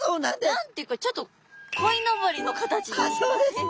何て言うかちょっとこいのぼりの形に似てません？